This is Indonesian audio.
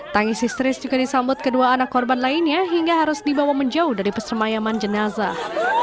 tangis histeris juga disambut kedua anak korban lainnya hingga harus dibawa menjauh dari pesermayaman jenazah